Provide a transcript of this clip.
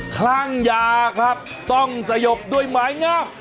คลั่งยาครับต้องสยบด้วยไม้งาม